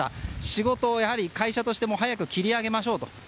仕事を会社としても早く切り上げましょうと。